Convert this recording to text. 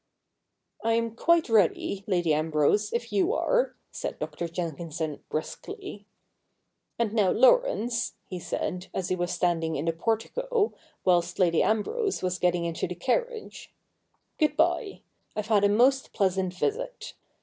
' I'm quite ready. Lady Ambrose, if you are,' said Dr. Jenkinson briskly; 'and now, Laurence,' he said, as he was standing in the portico, whilst Lady Ambrose was getting into the carriage, 'good bye; I've had a most pleasant visit.